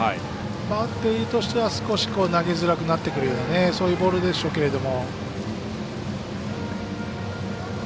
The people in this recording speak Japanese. バッテリーとしては少し投げづらくなってくるそういうボールでしょうけども。